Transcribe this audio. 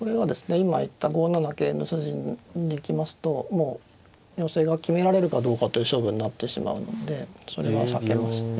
今言った５七桂の筋に行きますともう寄せが決められるかどうかという勝負になってしまうのでそれは避けましたね。